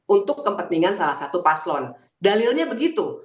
untuk kepentingan salah satu paslon dalilnya begitu